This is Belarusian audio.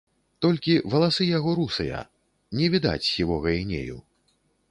Толькі валасы яго русыя, не відаць сівога інею.